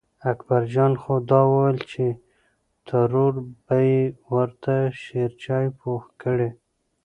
اکبر جان خو دا وېل چې ترور به یې ورته شېرچای پوخ کړي.